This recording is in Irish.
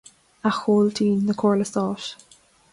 A chomhaltaí na Comhairle Stáit